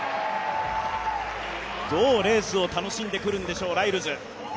どうレースを楽しんでくるんでしょう、ライルズ。